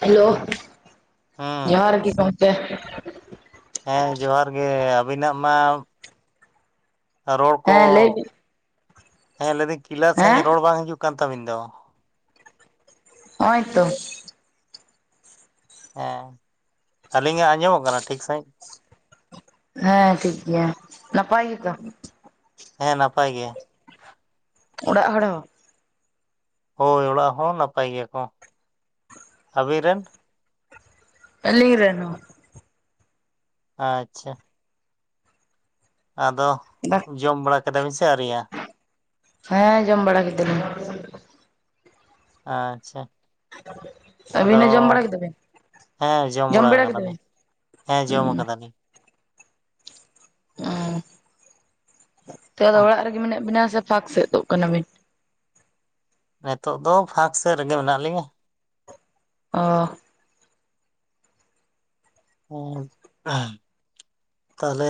Hello. ᱡᱚᱦᱟᱨ ᱜᱮ ᱜᱚᱢᱠᱮ ᱦᱮᱸ ᱡᱚᱦᱟᱨ ᱜᱮ, ᱟᱹᱵᱤᱱᱟᱜ ᱢᱟ ᱨᱚᱲ ᱠᱚ ᱦᱮᱸ ᱞᱟᱹᱭ ᱵᱤᱱ ᱦᱮᱸ ᱞᱟᱹᱭᱫᱟᱹᱧ ᱠᱤᱞᱭᱟᱹᱨ ᱦᱮᱸ ᱥᱟᱺᱦᱤᱡ ᱨᱚᱲ ᱵᱟᱝ ᱦᱤᱡᱩᱜ ᱠᱟᱱ ᱛᱟᱹᱵᱤᱱ ᱫᱚ᱾ ᱱᱚᱜ-ᱚᱭ ᱛᱚ ᱦᱮᱸ ᱟᱹᱞᱤᱧᱟᱜ ᱟᱸᱡᱚᱢᱚᱜ ᱠᱟᱱᱟ ᱴᱷᱤᱠ ᱥᱟᱺᱦᱤᱡ? ᱦᱮᱸ ᱴᱷᱤᱠ ᱜᱮᱭᱟ ᱱᱟᱯᱟᱭ ᱜᱮᱛᱚ᱾ ᱦᱮᱸ ᱱᱟᱯᱟᱭ ᱜᱮ᱾ ᱚᱲᱟᱜ ᱦᱚᱲ ᱦᱚᱸ? ᱦᱳᱭ ᱚᱲᱟᱜ ᱦᱚᱸ ᱱᱟᱯᱟᱭ ᱜᱮᱭᱟ ᱠᱚ᱾ ᱟᱹᱵᱤᱱ ᱨᱮᱱ? ᱟᱞᱤᱝ ᱨᱮᱱ ᱦᱚᱸ᱾ ᱟᱪᱪᱷᱟ᱾ ᱟᱫᱚ ᱦᱚᱸ ᱡᱚᱢ ᱵᱟᱲᱟ ᱠᱮᱫᱟ ᱵᱤᱱ ᱥᱮ ᱟᱹᱣᱨᱤᱭᱟ? ᱦᱮᱸ ᱡᱚᱢ ᱵᱟᱲᱟ ᱠᱮᱫᱟᱞᱤᱧ᱾ ᱟᱪᱪᱷᱟ᱾ ᱟᱹᱵᱤᱱ ᱦᱚᱸ ᱡᱚᱢ ᱵᱟᱲᱟ ᱟᱫᱚ ᱠᱮᱫᱟ ᱵᱤᱱ ᱦᱮᱸ ᱡᱚᱢ ᱵᱟᱲᱟ ᱠᱟᱫᱟᱞᱤᱧ᱾ ᱦᱮᱸ ᱡᱚᱢ ᱠᱟᱫᱟᱞᱤᱧ᱾ ᱛᱚᱜ ᱫᱚ ᱚᱲᱟᱜ ᱨᱮᱜᱮ ᱢᱮᱱᱟᱜ ᱵᱤᱱᱟ ᱥᱮ ᱯᱷᱟᱸᱠ ᱥᱮᱜ ᱛᱳᱜ ᱠᱟᱱᱟ ᱵᱤᱱ? ᱱᱮᱛᱚᱜ ᱫᱚ ᱯᱷᱟᱸᱠ ᱥᱮᱜ ᱨᱮᱜᱮ ᱢᱮᱱᱟᱜ ᱞᱤᱧᱟ᱾ ᱚ [unintelligible] ᱛᱟᱦᱚᱞᱮ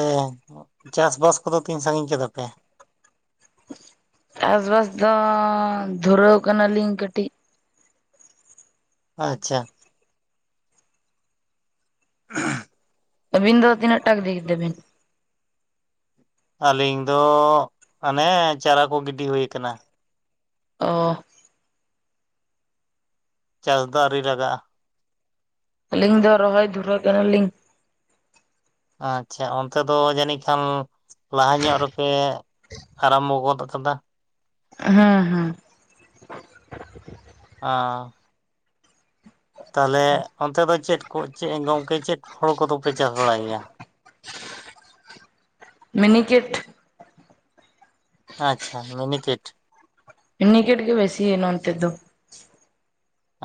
ᱪᱟᱥ ᱵᱟᱥ ᱠᱚᱫᱚ ᱛᱤᱧ ᱥᱟᱺᱜᱤᱧ ᱠᱮᱫᱟ ᱯᱮ? ᱪᱟᱥᱵᱟᱥ ᱫᱚ ᱫᱷᱩᱨᱟᱹᱣ ᱠᱟᱱᱟᱞᱤᱧ ᱠᱟᱹᱴᱤᱡ ᱟᱪᱪᱷᱟ᱾ [inaudible] ᱟᱹᱵᱤᱱ ᱫᱚ ᱛᱤᱱᱟᱹᱜ ᱴᱟᱠ ᱤᱫᱤ ᱠᱤᱫᱟ ᱵᱤᱱ? ᱟᱹᱞᱤᱧ ᱫᱚ ᱟᱱᱮ ᱪᱟᱨᱟ ᱠᱚ ᱜᱤᱰᱤ ᱦᱩᱭ ᱠᱟᱱᱟ᱾ ᱚ᱾ ᱪᱟᱥ ᱫᱚ ᱟᱹᱣᱨᱤ ᱞᱟᱜᱟᱜᱼᱟ᱾ ᱟᱹᱞᱤᱝ ᱫᱚ ᱨᱚᱦᱚᱭ ᱫᱷᱩᱨᱟᱹ ᱠᱟᱱᱟᱞᱤᱝ᱾ ᱟᱪᱪᱷᱟ, ᱚᱱᱛᱮ ᱫᱚ ᱡᱟᱹᱱᱤᱡ ᱠᱷᱟᱱ ᱞᱟᱦᱟ ᱧᱚᱜ ᱨᱮᱯᱮ ᱟᱨᱟᱢᱵᱚ ᱜᱚᱫ ᱠᱟᱫᱟ᱾ ᱦᱩᱸ ᱦᱩᱸ᱾ ᱚ ᱛᱟᱦᱚᱞᱮ ᱚᱱᱛᱮ ᱫᱚ ᱪᱮᱫ ᱠᱚ ᱪᱮᱜ ᱜᱚᱝᱠᱮ ᱪᱮᱫ ᱦᱳᱲᱳ ᱠᱚᱫᱚᱯᱮ ᱪᱟᱥ ᱵᱟᱲᱟᱭ ᱜᱮᱭᱟ? ᱢᱤᱱᱤᱠᱮᱴ᱾ ᱟᱪᱪᱷᱟ ᱢᱤᱱᱤᱠᱮᱴ᱾ ᱢᱤᱱᱤᱠᱮᱴ ᱜᱮ ᱵᱮᱥᱤ ᱱᱚᱸᱛᱮ ᱫᱚ᱾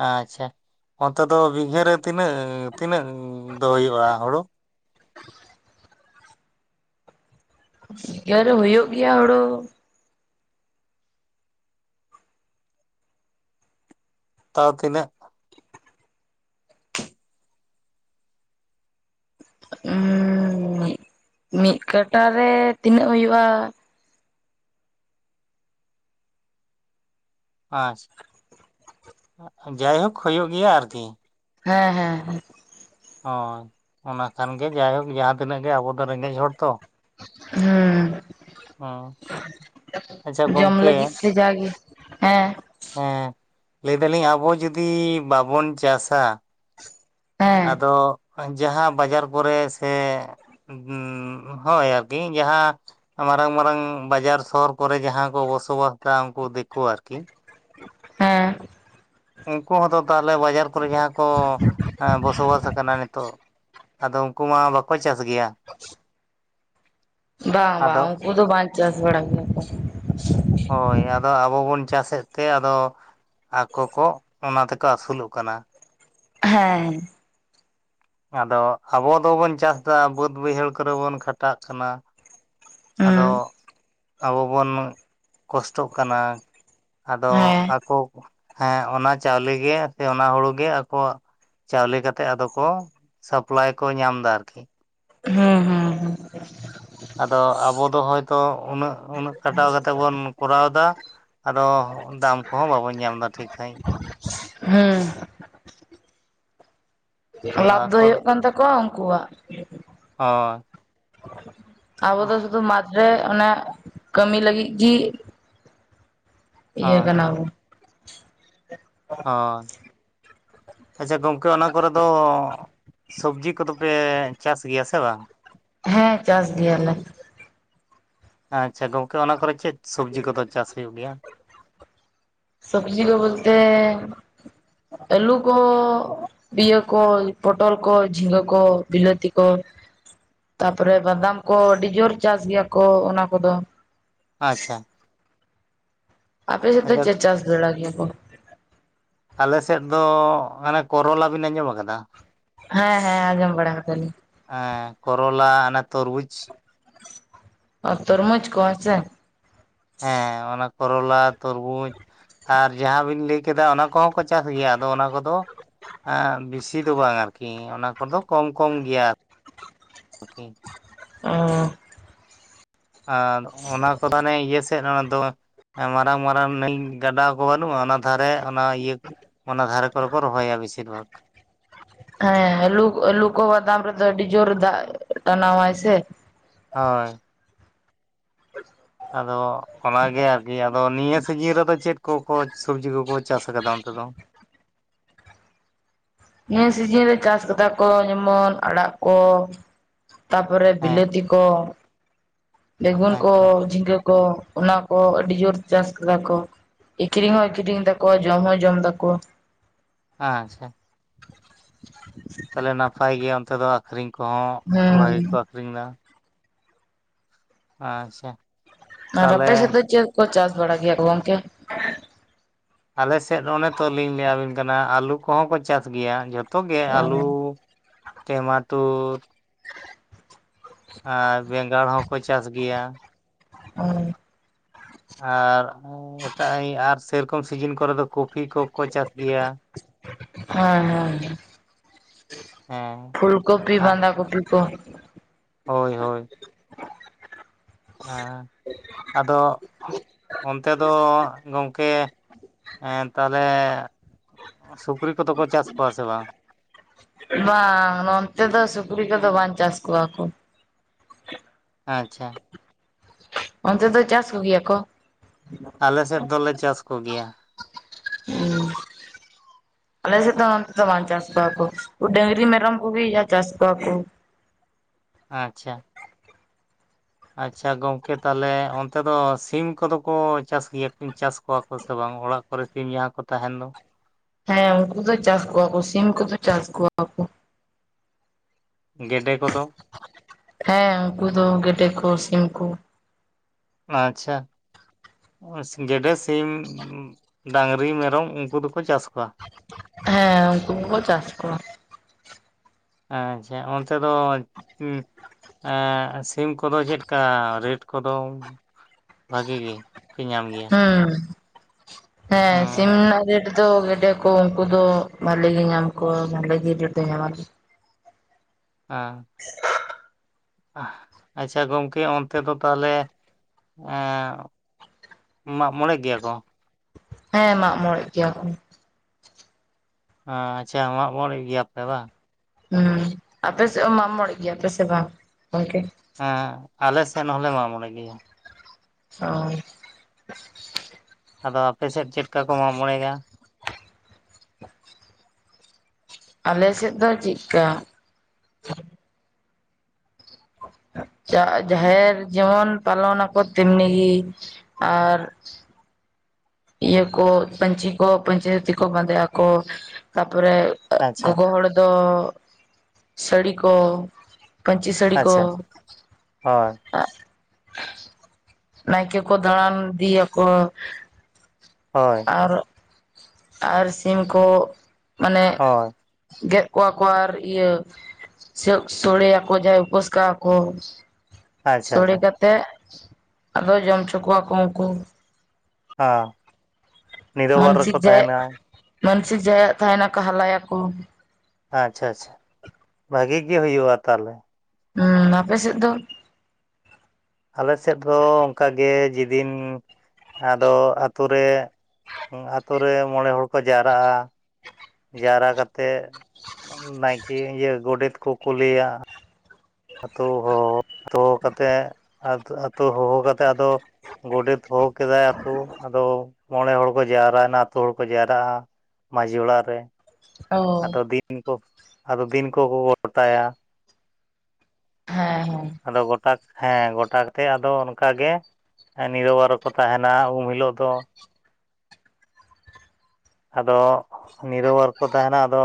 ᱟᱪᱪᱷᱟ, ᱚᱱᱛᱮ ᱫᱚ ᱵᱤᱜᱷᱟᱹ ᱨᱮ ᱛᱤᱱᱟᱹᱜ, ᱛᱤᱱᱟᱹᱜ ᱫᱚ ᱦᱳᱭᱳᱜᱼᱟ ᱦᱳᱲᱳ᱾ ᱵᱤᱜᱷᱟᱹ ᱨᱮ ᱦᱳᱭᱳᱜ ᱜᱮᱭᱟ ᱦᱳᱲᱳ ᱛᱟᱣ ᱛᱤᱱᱟᱹᱜ? ᱢᱤᱜ ᱠᱟᱴᱟ ᱨᱮ ᱛᱤᱱᱟᱹᱜ ᱦᱩᱭᱩᱜᱼᱟ᱾ ᱟᱪᱪᱷᱟ ᱡᱟᱭᱦᱳᱠ ᱦᱳᱭᱚᱜ ᱜᱮᱭᱟ ᱟᱨᱠᱤ ᱦᱮᱸ ᱦᱮᱸ ᱦᱳᱭ ᱚᱱᱟ ᱠᱷᱟᱱ ᱜᱮ ᱡᱟᱭᱦᱳᱠ ᱡᱟᱦᱟᱸ ᱛᱤᱱᱟᱹᱜ ᱜᱮ ᱟᱵᱚ ᱫᱚ ᱨᱮᱸᱜᱮᱡ ᱦᱚᱲ ᱛᱚ ᱦᱩᱸ ᱦᱩᱸ ᱟᱪᱪᱷᱟ [unintelligible] ᱡᱚᱢ ᱜᱚᱝᱠᱮ ᱞᱟᱹᱜᱤᱫ ᱛᱮ ᱡᱟᱜᱮ ᱦᱮᱸ ᱦᱮᱸ ᱞᱟ. ᱭ ᱮᱫᱟᱞᱤᱧ ᱟᱵᱚ ᱡᱩᱫᱤ ᱵᱟᱵᱚᱱ ᱪᱟᱥ-ᱟ ᱦᱮᱸ ᱟᱫᱚ ᱡᱟᱦᱟᱸ ᱵᱟᱡᱟᱨ ᱠᱚᱨᱮ ᱥᱮ [unintelligible] ᱦᱳᱭ ᱟᱨᱠᱤ ᱡᱟᱦᱟᱸ ᱢᱟᱨᱟᱝ ᱢᱟᱨᱟᱝ ᱵᱟᱡᱟᱨ ᱥᱚᱦᱚᱨ ᱠᱚᱨᱮ ᱡᱟᱦᱟᱸ ᱠᱚ ᱵᱚᱥᱚᱵᱟᱥ ᱮᱫᱟ ᱳᱝᱠᱩ ᱫᱤᱠᱩ ᱟᱨᱠᱤ ᱦᱮᱸ ᱩᱝᱠᱩ ᱦᱚᱸ ᱛᱚ ᱛᱟᱦᱚᱞᱮ ᱵᱟᱡᱟᱨ ᱠᱚᱨᱮ ᱡᱟᱦᱟᱸ ᱠᱚ ᱟᱺ..... ᱵᱚᱥᱚᱵᱟᱥ ᱟᱠᱟᱱᱟ ᱱᱤᱛᱚᱜ ᱟᱫᱚ ᱩᱝᱠᱩ ᱢᱟ ᱵᱟᱠᱚ ᱪᱟᱥ ᱜᱮᱭᱟ ᱵᱟᱝ ᱵᱟᱝ ᱟᱫᱚ ᱳᱝᱠᱚ ᱫᱚ ᱵᱟᱝ ᱪᱟᱥ ᱵᱟᱲᱟᱭ ᱜᱮᱭᱟ ᱠᱚ ᱦᱳᱭ ᱟᱫᱚ ᱟᱵᱚ ᱵᱚᱱ ᱪᱟᱥᱮᱫ ᱛᱮ ᱟᱫᱚ ᱟᱠᱳ ᱠᱳ ᱚᱱᱟ ᱛᱮ ᱠᱳ ᱟᱹᱥᱩᱞᱚᱜ ᱠᱟᱱᱟ ᱦᱮᱸ ᱟᱫᱚ ᱟᱵᱚ ᱫᱚᱵᱚᱱ ᱪᱟᱥ ᱮᱫᱟ ᱵᱟᱹᱫᱽ ᱵᱟᱹᱭᱦᱟᱹᱲ ᱠᱚᱨᱮ ᱵᱚᱱ ᱠᱷᱟᱴᱟᱜ ᱠᱟᱱᱟ ᱟᱫᱚ ᱦᱮᱸ ᱟᱵᱚ ᱵᱚᱱ ᱠᱚᱥᱴᱚᱜ ᱠᱟᱱᱟ ᱟᱫᱚ ᱦᱮᱸ ᱟᱠᱚ ᱦᱮᱸ ᱚᱱᱟ ᱪᱟᱣᱞᱮ ᱜᱮ ᱥᱮ ᱚᱱᱟ ᱦᱩᱲᱩ ᱜᱮ ᱟᱠᱚᱣᱟᱜ ᱪᱟᱣᱞᱮ ᱠᱟᱛᱮᱜ ᱟᱫᱚ ᱠᱚ ᱥᱟᱯᱞᱟᱭ ᱠᱚ ᱧᱟᱢ ᱮᱫᱟ ᱟᱨᱠᱤ ᱦᱩᱸ ᱦᱩᱸ ᱟᱫᱚ ᱟᱵᱚ ᱫᱚ ᱦᱚᱭᱛᱳ ᱩᱱᱟᱹᱜ ᱩᱱᱟᱹᱜ ᱠᱷᱟᱴᱟᱣ ᱠᱟᱛᱮᱫ ᱵᱚᱱ ᱠᱚᱨᱟᱣ ᱮᱫᱟ ᱟᱫᱚ ᱫᱟᱢ ᱠᱚᱦᱚᱸ ᱵᱟᱵᱚᱱ ᱧᱟᱢ ᱮᱫᱟ ᱴᱷᱤᱠ ᱥᱟ. ᱦᱤᱸᱡ ᱦᱮᱸ ᱟᱫᱚ ᱞᱟᱵᱷ ᱫᱚ ᱟᱠᱚ ᱦᱩᱭᱩᱜ ᱠᱟᱱ ᱛᱟᱠᱚᱣᱟ ᱩᱱᱠᱩᱣᱟᱜ ᱦᱳᱭ ᱟᱵᱚ ᱫᱚ ᱥᱩᱫᱩ ᱢᱟᱡᱷ ᱨᱮ ᱮ ᱠᱟᱹᱢᱤ ᱞᱟᱹᱜᱤᱫ ᱜᱤ ᱤᱭᱟ. ᱦᱳᱭ ᱠᱟᱱᱟ ᱵᱚᱱ ᱦᱳᱭ ᱟᱪᱪᱷᱟ ᱜᱚᱝᱠᱮ ᱚᱱᱟ ᱠᱚᱨᱮ ᱫᱚ ᱥᱚᱵᱽᱡᱤ ᱠᱚᱫᱚ ᱯᱮ ᱪᱟᱥ ᱜᱮᱭᱟ ᱥᱮ ᱵᱟᱝ ᱦᱮᱸ ᱪᱟᱥ ᱜᱮᱭᱟᱞᱮ ᱟᱪᱪᱷᱟ ᱜᱚᱝᱠᱮ ᱚᱱᱟ ᱠᱚᱨᱮ ᱪᱮᱫ ᱥᱚᱵᱽᱡᱤ ᱠᱚ ᱫᱚ ᱪᱟᱥ ᱦᱩᱭᱩᱜ ᱜᱮᱭᱟ ᱥᱟ. ᱵᱽᱡᱤ ᱠᱚ ᱵᱚᱞᱛᱮ ᱟ. ᱞᱩ ᱠᱚ ᱵᱤᱭᱟᱹ ᱠᱚ ᱯᱚᱴᱚᱞ ᱠᱚ ᱡᱷᱸᱜᱟ. ᱠᱚ ᱵᱤᱞᱟ. ᱛᱤ ᱠᱚ ᱛᱟᱯᱚᱨᱮ ᱵᱟᱫᱟᱢ ᱠᱚ ᱟᱹᱰᱤ ᱡᱳᱨ ᱪᱟᱥ ᱜᱮᱭᱟ ᱠᱚ ᱚᱱᱟ ᱠᱚ ᱫᱚ ᱟᱪᱪᱷᱟ ᱟᱯᱮ ᱥᱮᱫ ᱟᱪᱪᱷᱟ ᱪᱮᱫ ᱪᱮᱫ ᱪᱟᱥ ᱵᱟᱲᱟᱭ ᱜᱮᱭᱟ ᱠᱚ ᱟᱞᱮ ᱥᱮᱫ ᱫᱚ ᱟᱱᱮ ᱠᱚᱨᱚᱞᱟ ᱵᱤᱱ ᱟᱸᱡᱚᱢ ᱟᱠᱟᱫᱟ ᱦᱮᱸ ᱦᱮᱸ ᱟᱸᱡᱚᱢ ᱵᱟᱲᱟ ᱟᱠᱟᱫᱟ ᱞᱤᱧ ᱮᱸ... ᱠᱚᱨᱚᱞᱟ ᱚᱱᱟ ᱛᱩᱨᱵᱩᱡᱽ ᱚ ᱛᱳᱨᱢᱳᱡᱽ ᱠᱚ ᱦᱮᱸ ᱥᱮ ᱦᱮᱸ ᱚᱱᱟ ᱠᱚᱨᱚᱞᱟ ᱛᱩᱨᱵᱩᱡᱽ ᱟᱨ ᱡᱟᱦᱟᱸ ᱵᱤᱱ ᱞᱟᱹᱭ ᱠᱮᱫᱟ ᱚᱱᱟ ᱠᱚᱦᱚᱸ ᱠᱚ ᱪᱟᱥ ᱜᱮᱭᱟ ᱟᱫᱚ ᱚᱱᱟ ᱠᱚᱫᱚ ᱟ... ᱵᱮᱥᱤ ᱫᱚ ᱵᱟᱝ ᱟᱨᱠᱤ ᱚᱱᱟ ᱠᱚᱫᱚ ᱠᱚᱢ ᱠᱚᱢ ᱜᱮᱭᱟ [inaudible] ᱟᱨᱠᱤ ᱚ ᱟᱨ ᱚᱱᱟ ᱠᱚᱫᱚ ᱦᱟᱱᱮ ᱤᱭᱟ. ᱥ..... ᱮᱫ ᱚᱱᱟ ᱫᱚ ᱢᱟᱨᱟᱝ ᱢᱟᱨᱟᱝ ᱱᱟ. ᱭ ᱜᱟᱰᱟ ᱠᱚ ᱵᱟᱹᱱᱩᱜᱼᱟ ᱚᱱᱟ ᱫᱷᱟᱨᱮ ᱚᱱᱟ ᱤᱭᱟᱹ ᱚᱱᱟᱱᱟ ᱫᱷᱟᱨᱮ ᱠᱚᱨᱮ ᱠᱚ ᱨᱚᱦᱚᱭᱟ ᱵᱮᱥᱤ ᱵᱷᱟᱜᱽ ᱦᱮᱸ ᱟ. ᱞᱩ ᱠᱚ ᱟ. ᱞᱩ ᱠᱚ ᱵᱟᱫᱟᱢ ᱨᱮ ᱫᱚ ᱟᱹᱰᱤ ᱡᱩᱨ ᱫᱟᱜ ᱴᱱᱟᱣᱟᱟᱭ ᱥᱮ ᱦᱳᱭ [unintelligible] ᱟᱫᱚ ᱚᱱᱟᱜᱮ ᱟᱨᱠᱤ ᱟᱫᱚ ᱱᱤᱭᱟᱹ ᱥᱤᱡᱤᱱ ᱨᱮᱫᱚ ᱪᱮᱫ ᱠᱚᱠᱚ ᱥᱚᱵᱡᱤ ᱠᱚᱠᱚ ᱪᱟᱥ ᱟᱠᱟᱫᱟ ᱚᱱᱛᱮ ᱫᱚ? ᱱᱤᱭᱟᱹ ᱥᱤᱡᱤᱱ ᱨᱮ ᱪᱟᱥ ᱠᱟᱫᱟ ᱠᱚ ᱡᱮᱢᱚᱱ ᱟᱲᱟᱜ ᱠᱚ ᱛᱟᱯᱚᱨᱮ ᱦᱮᱸ ᱵᱤᱞᱟᱹᱛᱤ ᱠᱚ ᱵᱮᱜᱩᱱ ᱠᱚ ᱟᱪᱪᱷᱟ ᱡᱷᱤᱸᱜᱟᱹ ᱠᱚ, ᱚᱱᱟ ᱠᱚ ᱟᱹᱰᱤ ᱡᱳᱨ ᱪᱟᱥ ᱠᱟᱫᱟ ᱠᱚ ᱮᱠᱷᱨᱤᱧ ᱦᱚᱸ ᱮᱠᱷᱨᱤᱧ ᱫᱟᱠᱚ ᱡᱚᱢ ᱦᱚᱸ ᱡᱚᱢ ᱫᱟᱠᱚ ᱟᱪᱷᱟ᱾ ᱛᱟᱦᱞᱮ ᱱᱟᱯᱟᱭ ᱜᱮᱭᱟ ᱚᱱᱛᱮ ᱫᱚ ᱟᱠᱷᱨᱤᱧ ᱠᱚᱦᱚᱸ ᱵᱷᱟᱜᱤ ᱠᱚ ᱦᱮᱸ ᱟᱠᱷᱨᱤᱧ ᱫᱟ, ᱟᱪᱷᱟ᱾ ᱟᱨ ᱟᱯᱮ ᱥᱮᱫ ᱪᱮᱫ ᱠᱚ ᱪᱟᱥ ᱵᱟᱲᱟ ᱜᱮᱭᱟ ᱜᱚᱝᱠᱮ? ᱟᱞᱮ ᱥᱮᱫ ᱚᱱ ᱛᱚ ᱞᱤᱧ ᱞᱟᱹᱭᱟᱵᱤᱱ ᱠᱟᱱᱟ ᱟᱹᱞᱩ ᱠᱚᱦᱚᱸ ᱠᱚ ᱪᱟᱥ ᱜᱮᱭᱟ ᱡᱷᱚᱛᱚ ᱜᱮ ᱚ ᱟᱹᱞᱩ ᱴᱮᱢᱟᱴᱳᱨ ᱟᱨ ᱵᱮᱸᱜᱟᱲ ᱦᱚᱸᱠᱚ ᱪᱟᱥ ᱜᱮᱭᱟ᱾ ᱦᱩᱸ ᱟᱨ ᱮᱴᱟᱜ ᱟᱨ ᱥᱮᱨᱚᱠᱚᱢ ᱥᱤᱡᱤᱱ ᱠᱚᱨᱮ ᱫᱚ ᱠᱚᱯᱷᱤ ᱠᱚᱠᱚ ᱪᱟᱥ ᱜᱮᱭᱟ, ᱦᱮᱸ ᱦᱮᱸ᱾ ᱦᱮᱸ ᱯᱷᱩᱞᱠᱳᱯᱤ ᱵᱟᱸᱫᱟ ᱠᱚᱯᱤ ᱠᱚ, ᱦᱳᱭ ᱦᱳᱭ᱾ ᱦᱮᱸ ᱟᱫᱚ ᱚᱱᱛᱮ ᱫᱚ ᱜᱚᱝᱠᱮ ᱮᱸ ᱛᱟᱦᱚᱞᱮ ᱥᱩᱠᱨᱤ ᱠᱚᱫᱚ ᱠᱚ ᱪᱟᱥ ᱠᱚᱣᱟ ᱥᱮ ᱵᱟᱝ? ᱵᱟᱝ ᱱᱚᱱᱛᱮ ᱫᱚ ᱥᱩᱠᱨᱤ ᱠᱚᱫᱚ ᱵᱟᱝ ᱪᱟᱥ ᱠᱚᱣᱟ ᱠᱚ᱾ ᱟᱪᱪᱷᱟ᱾ ᱚᱱᱛᱮ ᱫᱚ ᱪᱟᱥ ᱠᱚᱜᱮᱭᱟ ᱠᱚ? ᱟᱞᱮ ᱥᱮᱫ ᱫᱚᱞᱮ ᱪᱟᱥ ᱠᱚᱜᱮᱭᱟ᱾ ᱩᱸ ᱟᱞᱮ ᱥᱮᱫ ᱚᱱᱛᱮ ᱫᱚ ᱵᱟᱝ ᱪᱟᱥ ᱠᱚᱣᱟ ᱠᱚ ᱰᱟᱸᱝᱨᱤ ᱢᱮᱨᱚᱢ ᱠᱚᱜᱮ ᱪᱟᱥ ᱠᱚᱣᱟ ᱠᱚ᱾ ᱟᱪᱷᱟ᱾ ᱟᱪᱪᱷᱟ ᱜᱚᱝᱠᱮ ᱛᱟᱦᱚᱞᱮ ᱚᱱᱛᱮ ᱫᱚ ᱥᱤᱢ ᱠᱚᱫᱚ ᱠᱚ ᱪᱟᱥ ᱜᱮᱭᱟ ᱠᱤᱱ ᱪᱟᱥ ᱠᱚᱣᱟ ᱠᱚ ᱥᱮ ᱵᱟᱝ ᱚᱲᱟᱜ ᱠᱚᱨᱮ ᱥᱤᱢ ᱡᱟᱦᱟᱸ ᱠᱚ ᱛᱟᱦᱮᱱ ᱫᱚ, ᱦᱮᱸ ᱩᱱᱠᱩ ᱫᱚ ᱪᱟᱥ ᱠᱚᱣᱟ ᱠᱚ ᱥᱤᱢ ᱠᱚᱫᱚ ᱪᱟᱥ ᱠᱚᱣᱟ ᱠᱚ ᱜᱮᱰᱮ ᱠᱚᱫᱚ ᱦᱮᱸ ᱩᱱᱠᱩ ᱫᱚ ᱜᱮᱰᱮ ᱠᱚ ᱥᱤᱢ ᱠᱚ ᱟᱪᱷᱟ, ᱜᱮᱰᱮ ᱥᱤᱢ ᱰᱟᱸᱝᱨᱤ ᱢᱮᱨᱚᱢ ᱩᱱᱠᱩ ᱫᱚᱠᱚ ᱪᱟᱥ ᱠᱚᱣᱟ? ᱦᱮᱸ ᱩᱱᱠᱩ ᱜᱮᱠᱚ ᱪᱟᱥ ᱠᱚᱣᱟ᱾ ᱟᱪᱷᱟ ᱚᱱᱛᱮ ᱫᱚ ᱮᱸᱜ ᱥᱤᱢ ᱠᱚᱫᱚ ᱪᱮᱫᱠᱟ ᱨᱮᱴ ᱠᱚᱫᱚᱢ ᱵᱷᱟᱜᱮ ᱜᱮ ᱯᱮ ᱧᱟᱢ ᱜᱮᱭᱟ ᱦᱩᱸ ᱦᱮᱸ ᱚᱸ ᱥᱤᱢᱱᱟᱜ ᱨᱮᱴ ᱛᱚ ᱜᱮᱰᱮ ᱠᱚ ᱩᱱᱠᱩ ᱫᱚ ᱵᱷᱟᱜᱞᱤ ᱜᱮ ᱧᱟᱢ ᱠᱚᱣᱟ ᱵᱷᱟᱞᱮ ᱜᱮ ᱧᱟᱢᱟ᱾ ᱟᱸ᱾ [inaudible] ᱟᱪᱪᱷᱟ ᱜᱚᱢᱠᱮ ᱚᱱᱛᱮ ᱫᱚ ᱛᱟᱦᱚᱞᱮ ᱮᱸᱜ ᱢᱟᱜ ᱢᱚᱬᱮᱜ ᱜᱮᱭᱟ ᱠᱚ? ᱦᱮᱸ ᱢᱟᱜ ᱢᱚᱬᱮᱜ ᱜᱮᱭᱟ ᱠᱚ᱾ ᱟᱪᱪᱷᱟ ᱢᱟᱜᱵᱚᱲᱮᱫ ᱜᱮᱭᱟᱯᱮ ᱵᱟᱝ? ᱦᱩᱸ ᱟᱯᱮᱥᱮᱫ ᱢᱟᱜ ᱢᱚᱬᱮ ᱜᱮᱭᱟᱯᱮ ᱥᱮ ᱵᱟᱝ ᱜᱚᱝᱠᱮ? ᱦᱮᱸ ᱟᱞᱮ ᱥᱮᱫ ᱦᱚᱸᱞᱮ ᱢᱟᱜ ᱢᱚᱬᱮ ᱜᱮᱭᱟ᱾ ᱚ᱾ ᱟᱫᱚ ᱟᱯᱮ ᱥᱮᱫ ᱪᱮᱫ ᱠᱟ ᱠᱚ ᱢᱟᱜ ᱢᱚᱬᱮᱜ-ᱟ? ᱟᱞᱮ ᱥᱮᱫ ᱫᱚ ᱪᱤᱜᱠᱟ ᱡᱟᱦᱮᱨ ᱡᱮᱢᱚᱱ ᱯᱟᱞᱚᱱ ᱟᱠᱚ ᱛᱮᱢᱱᱤ ᱜᱮ ᱟᱨ ᱤᱭᱟᱹ ᱠᱚ, ᱯᱟᱹᱧᱪᱤ ᱠᱚ, ᱯᱟᱹᱧᱪᱤ ᱫᱷᱩᱛᱤ ᱠᱚ ᱵᱟᱸᱫᱮᱭᱟ ᱠᱚ ᱛᱟᱯᱚᱨᱮ ᱟᱪᱪᱷᱟ ᱜᱚᱜᱚ ᱦᱚᱲ ᱫᱚ, ᱥᱟᱺᱲᱤ ᱠᱚ ᱯᱟᱹᱧᱪᱤ ᱥᱟᱹᱲᱤ ᱠᱚ ᱟᱪᱪᱷᱟ ᱦᱳᱭ ᱱᱟᱭᱠᱮ ᱠᱚ ᱫᱟᱬᱟᱱ ᱫᱤᱭᱟ ᱠᱚ ᱦᱳᱭ ᱟᱨ ᱟᱨ ᱥᱤᱢ ᱠᱚ ᱢᱟᱱᱮ ᱦᱳᱭ ᱜᱮᱫ ᱠᱚᱜᱣᱟ ᱠᱚ ᱟᱨ ᱤᱭᱟᱹ ᱥᱟᱹᱜ ᱥᱚᱲᱮᱭᱟ ᱠᱚ, ᱡᱟᱦᱟᱸᱭ ᱩᱯᱟᱹᱥ ᱠᱟᱜᱼᱟ ᱠᱚ ᱟᱪᱪᱷᱟ ᱥᱳᱲᱮ ᱟᱪᱪᱷᱟ ᱠᱟᱛᱮ ᱟᱫᱚ ᱡᱚᱢᱪᱚ ᱠᱚᱣᱟ ᱠᱚ ᱩᱱᱠᱩ ᱟᱸ ᱢᱟᱹᱱᱥᱤᱠ ᱡᱟᱭᱟᱜ ᱢᱟᱹᱱᱥᱤᱠ ᱡᱟᱦᱟᱸᱭᱟᱜ ᱛᱟᱦᱮᱱᱟᱠᱚ ᱦᱟᱞᱟᱭᱟ ᱠᱚ᱾ ᱟᱪᱪᱷᱟ ᱟᱪᱪᱷᱟ ᱵᱷᱟᱜ ᱜᱮ ᱦᱩᱭᱩᱜᱼᱟ ᱛᱟᱦᱚᱞᱮ? ᱦᱩᱸ ᱟᱯᱮ ᱥᱮᱫ ᱫᱚ? ᱟᱞᱮ ᱥᱮᱫ ᱫᱚ ᱚᱱᱠᱟ ᱜᱮ ᱡᱮ ᱫᱤᱱ ᱟᱫᱚ ᱟᱹᱛᱩ ᱨᱮ ᱼᱼ ᱟᱹᱛᱩ ᱨᱮ ᱢᱚᱬᱮ ᱦᱚᱲ ᱠᱚ ᱡᱟᱣᱨᱟᱜᱼᱟ, ᱡᱟᱣᱨᱟ ᱠᱟᱛᱮᱜ ᱱᱟᱭᱠᱮ ᱤᱭᱟᱹ ᱜᱳᱰᱮᱛ ᱠᱚ ᱠᱳᱞᱮᱭᱟ᱾ ᱟᱹᱛᱩ ᱦᱚ ᱦᱚ ᱦᱚᱦᱚ ᱠᱟᱛᱮᱜ ᱟᱛᱩ ᱦᱚᱦᱚ ᱠᱟᱛᱮᱜ ᱟᱫᱚ ᱜᱚᱰᱮᱛ ᱦᱚᱦᱚ ᱠᱮᱫᱟᱭ, ᱟᱹᱛᱩ ᱟᱫᱚ ᱢᱚᱬᱮ ᱦᱚᱲ ᱠᱚ ᱡᱟᱣᱨᱟᱭᱱᱟ ᱟᱹᱛᱩ ᱦᱚᱲ ᱠᱚ ᱡᱟᱣᱨᱟᱜᱼᱟ᱾ ᱢᱟᱺᱡᱷᱤ ᱚᱲᱟᱜ ᱨᱮ ᱚ ᱟᱫᱚ ᱫᱤᱱ ᱠᱚ ᱟᱫᱚ ᱫᱤᱱ ᱠᱚᱠᱚ ᱜᱚᱴᱟᱭᱟ᱾ ᱦᱮᱸ ᱦᱮᱸ᱾ ᱟᱫᱚ ᱜᱚᱴᱟ ᱦᱮᱸ ᱜᱚᱴᱟ ᱠᱟᱛᱮ ᱟᱫᱚ ᱚᱱᱠᱟ ᱜᱮ ᱱᱤᱨ-ᱵᱟᱨ ᱨᱮᱠᱚ ᱛᱟᱸᱦᱮᱱᱟ, ᱩᱱ ᱦᱤᱞᱳᱜ ᱫᱚ ᱟᱫᱚ ᱱᱤᱨᱚᱵᱟᱨ ᱠᱚ ᱛᱟᱸᱦᱮᱱᱟ, ᱟᱫᱚ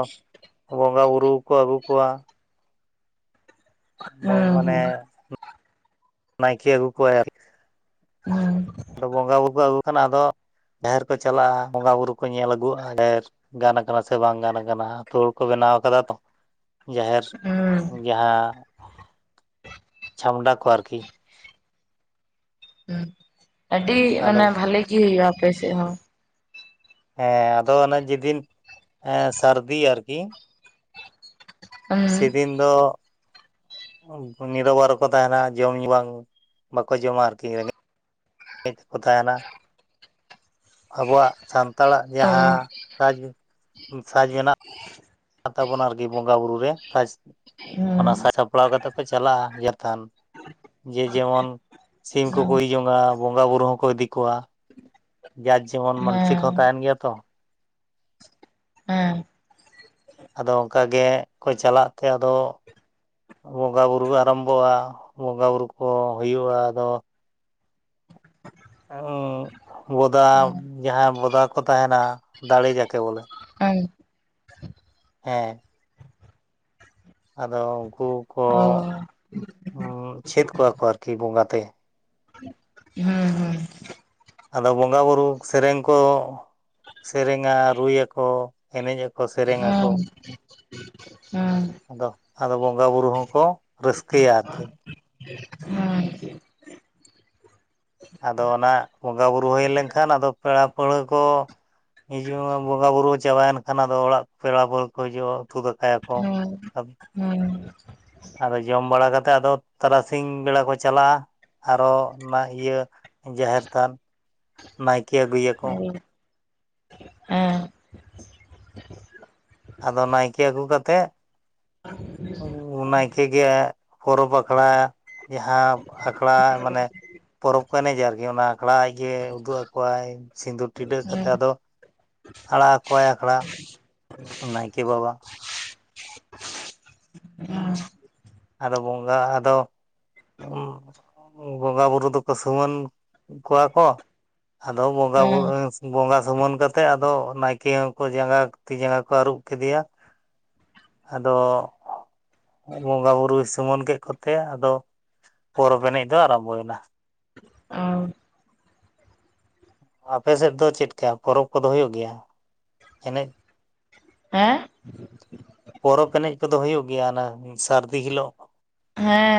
ᱵᱚᱸᱜᱟ ᱵᱩᱨᱩ ᱠᱚ ᱟᱜᱩ ᱠᱚᱣᱟ᱾ ᱦᱳᱭ ᱦᱮᱸ ᱢᱟᱱᱮ ᱦᱩᱸ ᱱᱟᱭᱠᱮ ᱟᱜᱩ ᱠᱚᱣᱟᱭ ᱟᱹᱨᱠᱤ᱾ ᱦᱮᱸ ᱟᱫᱚ ᱵᱚᱸᱜᱟ ᱵᱩᱨᱩ ᱠᱚ ᱟᱜᱩ ᱠᱷᱟᱱ, ᱟᱫᱚ ᱡᱟᱦᱮᱨ ᱠᱚ ᱪᱟᱞᱟᱜᱼᱟ᱾ ᱵᱚᱸᱜᱟ ᱵᱩᱨᱩ ᱠᱚ ᱧᱮᱞ ᱟᱜᱩᱣᱟᱜᱼᱟ, ᱡᱟᱦᱮᱨ ᱜᱟᱱ ᱠᱟᱱᱟ ᱥᱮ ᱵᱟᱝ ᱜᱟᱱ ᱠᱟᱱᱟ᱾ [unintelligible] ᱠᱚ ᱵᱮᱱᱟᱣ ᱠᱟᱫᱟ ᱛᱚ᱾ ᱡᱟᱦᱮᱨ ᱦᱩᱸ ᱦᱩᱸ ᱡᱟᱦᱟᱸ ᱪᱷᱟᱢᱰᱟ ᱠᱚ ᱟᱨ ᱠᱤ᱾ ᱟᱹᱰᱤ ᱟᱫᱚ ᱢᱟᱱᱮ ᱵᱷᱟᱹᱞᱮ ᱜᱤ ᱟᱯᱮ ᱥᱮᱫ ᱦᱚᱸ᱾ ᱦᱮᱸ ᱟᱫᱚ ᱚᱱᱮ ᱡᱮ ᱫᱤᱱ ᱥᱟᱨᱫᱤ ᱟᱨ ᱠᱤ ᱼᱼ ᱦᱩᱸ ᱥᱮ ᱫᱤᱱ ᱫᱚ ᱱᱤᱨᱚᱵᱟᱨ ᱨᱮᱠᱚ ᱛᱟᱸᱦᱮᱱᱟ᱾ ᱡᱚᱢ ᱧᱩ ᱵᱟᱝ ᱵᱟᱠᱚ ᱡᱚᱢᱟ ᱟᱨ ᱠᱤ ᱨᱮᱸᱜᱮᱡ ᱛᱮᱠᱚ ᱛᱟᱸᱦᱮᱱᱟ᱾ ᱟᱵᱚᱣᱟᱜ ᱥᱟᱱᱛᱟᱲᱟᱜ ᱚ ᱡᱟᱦᱟᱸ ᱥᱟᱡ ᱥᱟᱡ ᱢᱮᱱᱟᱜ ᱛᱟᱵᱚᱱᱟ ᱟᱨᱠᱤ ᱵᱚᱸᱜᱟ ᱵᱩᱨᱩ ᱨᱮ ᱥᱟᱡᱽ᱾ ᱚᱱᱟ ᱦᱮᱸ ᱥᱟᱡᱽ ᱥᱟᱯᱲᱟᱣ ᱠᱟᱛᱮ ᱠᱚ ᱪᱟᱞᱟᱜᱼᱟ, ᱡᱟᱛᱟᱱ᱾ ᱡᱮ ᱡᱮᱢᱚᱱ ᱥᱤᱢ ᱦᱮᱸ ᱠᱚᱠᱚ ᱤᱫᱤ ᱡᱚᱝᱼᱟ, ᱵᱚᱸᱜᱟ ᱵᱩᱨᱩ ᱦᱚᱸᱠᱚ ᱤᱫᱤ ᱠᱚᱣᱟ᱾ ᱡᱟᱨ ᱡᱮᱢᱚᱱ ᱢᱟᱱᱥᱤᱠ ᱦᱚᱸ ᱛᱟᱸᱦᱮᱱ ᱜᱮᱭᱟ ᱛᱚ᱾ ᱦᱮᱸ᱾ ᱟᱫᱚ ᱚᱝᱠᱟ ᱜᱮ ᱠᱚ ᱪᱟᱞᱟᱜ ᱛᱮ, ᱟᱫᱚ ᱵᱚᱸᱜᱟ ᱵᱩᱨᱩ ᱟᱨᱟᱢᱵᱚᱜᱼᱟ ᱵᱚᱸᱜᱟ ᱵᱩᱨᱩ ᱠᱚ ᱦᱩᱭᱩᱜᱼᱟ᱾ ᱟᱫᱚ ᱵᱚᱫᱟ ᱡᱟᱦᱟᱸ ᱵᱚᱫᱟ ᱠᱚ ᱛᱟᱸᱦᱮᱱᱟ, ᱫᱟᱲᱮ ᱡᱟᱠᱮ ᱵᱚᱞᱮ ᱦᱮᱸ᱾ ᱟᱫᱚ ᱩᱱᱠᱩ ᱠᱚ ᱪᱷᱮᱫ ᱠᱚᱣᱟ ᱠᱚ ᱟᱨ ᱠᱤ ᱵᱚᱸᱜᱟ ᱛᱮ᱾ ᱦᱮᱸ ᱦᱮᱸ᱾ ᱟᱫᱚ ᱵᱚᱸᱜᱟ ᱵᱩᱨᱩ ᱥᱮᱨᱮᱧ ᱠᱚ ᱼᱼ ᱥᱮᱨᱮᱧᱟ ᱨᱩᱭ ᱟᱠᱚ ᱮᱱᱮᱡ ᱟᱠᱚ ᱥᱮᱨᱮᱧ ᱟᱠᱚ᱾ ᱦᱩᱸ ᱟᱫᱚ ᱟᱫᱚ ᱵᱚᱸᱜᱟ ᱵᱩᱨᱩ ᱦᱚᱸᱠᱚ ᱨᱟᱹᱥᱠᱟᱹᱭᱟ ᱟᱨ ᱠᱤ ᱦᱩᱸ᱾ ᱟᱫᱚ ᱚᱱᱟ ᱵᱚᱸᱜᱟ ᱵᱩᱨᱩ ᱦᱳᱭ ᱞᱮᱱᱠᱷᱟᱱ, ᱟᱫᱚ ᱯᱮᱲᱟ ᱯᱟᱹᱲᱦᱟᱹ ᱠᱚ ᱦᱤᱡᱩᱟᱢ ᱵᱚᱸᱜᱟ ᱵᱩᱨᱩ ᱪᱟᱵᱟᱭᱮᱱ ᱠᱷᱟᱱ, ᱟᱫᱚ ᱚᱲᱟᱜ ᱯᱮᱲᱟ ᱦᱚᱲ ᱠᱚ ᱦᱤᱡᱩᱜᱼᱟ, ᱩᱛᱩ ᱫᱟᱠᱟ ᱭᱟᱠᱚ᱾ ᱟᱫᱚ ᱡᱚᱢ ᱵᱟᱲᱟ ᱠᱟᱛᱮᱜ, ᱟᱫᱚ ᱛᱟᱨᱟᱥᱤᱧ ᱵᱮᱲᱟ ᱠᱚ ᱪᱟᱞᱟᱜᱼᱟ ᱟᱨᱚ ᱚᱱᱟ ᱤᱭᱟᱹ ᱡᱟᱦᱮᱨ ᱛᱷᱟᱱ ᱱᱟᱭᱠᱮ ᱟᱜᱩᱭ ᱭᱟᱠᱚ᱾ ᱮᱸ ᱟᱫᱚ ᱱᱟᱭᱠᱮ ᱟᱜᱩ ᱠᱟᱛᱮᱜ᱾ ᱩ ᱩᱸ ᱱᱟᱭᱠᱮ ᱜᱮ ᱯᱚᱨᱚᱵᱽ ᱟᱠᱷᱲᱟ ᱡᱟᱦᱟᱸ ᱟᱠᱷᱲᱟ, ᱢᱟᱱᱮ ᱯᱚᱨᱚᱵᱽ ᱠᱚ ᱮᱱᱮᱡᱟ ᱟᱨᱠᱤ ᱚᱱᱟ ᱟᱠᱷᱲᱟ ᱟᱡᱜᱮ ᱩᱫᱩᱜ ᱟᱠᱚᱣᱟᱭ ᱥᱤᱸᱫᱩᱨ ᱴᱤᱰᱟᱹᱜ ᱠᱟᱛᱮᱛ, ᱟᱫᱚ ᱟᱲᱟᱜ ᱟᱠᱚᱣᱟᱭ ᱟᱠᱷᱲᱟ ᱱᱟᱭᱠᱮ ᱵᱟᱵᱟ᱾ ᱩᱸᱦᱢ [unintelligible] ᱟᱫᱚ ᱵᱚᱸᱜᱟ ᱟᱫᱚ ᱩᱸ ᱵᱚᱸᱜᱟ ᱵᱩᱨᱩ ᱫᱚᱠᱚ ᱥᱚᱢᱟᱹᱱ ᱠᱚᱣᱟ ᱠᱚ᱾ ᱟᱫᱚ ᱵᱚᱸᱜᱟ ᱵᱩᱨᱩ ᱦᱮᱸ ᱥᱮ, ᱵᱚᱸᱜᱟ ᱥᱩᱢᱟᱹᱱ ᱠᱟᱛᱮᱜ ᱟᱫᱚ ᱱᱟᱭᱠᱮ ᱦᱚᱸᱠᱚ ᱡᱟᱸᱜᱟ ᱠᱚ ᱛᱤ ᱡᱟᱸᱜᱟ ᱠᱚ ᱟᱹᱨᱩᱵ ᱠᱮᱫᱮᱭᱟ᱾ [inaudible] ᱟᱫᱚᱼᱚᱜ ᱵᱚᱸᱜᱟ ᱵᱩ ᱨᱩᱭ ᱥᱩᱢᱟᱹᱱ ᱠᱮᱫ ᱠᱚᱛᱮ, ᱟᱫᱚ ᱯᱚᱨᱚᱵᱽ ᱮᱱᱮᱡ ᱫᱚ ᱟᱨᱟᱢᱵᱚᱭᱮᱱᱟ᱾ [unintelligible] ᱟᱯᱮᱥᱮᱫ ᱫᱚ ᱪᱮᱫᱠᱟ ᱯᱚᱨᱚᱵᱽ ᱠᱚᱫᱚ ᱦᱩᱭᱩᱜ ᱜᱮᱭᱟ? ᱮᱱᱮᱡ ᱦᱮᱸ ᱯᱚᱨᱚᱵᱽ ᱮᱱᱮᱡ ᱠᱚᱫᱚ ᱦᱩᱭᱩᱜ ᱜᱮᱭᱟ, ᱚᱱᱟ ᱥᱟᱹᱨᱫᱤ ᱦᱤᱞᱳᱜ? ᱦᱮᱸᱻ᱾